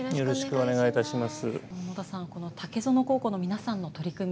この竹園高校の皆さんの取り組み